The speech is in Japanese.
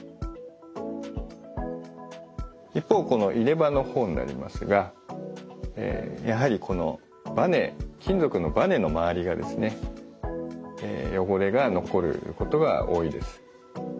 一方この入れ歯の方になりますがやはりこのバネ金属のバネの周りがですね汚れが残ることが多いです。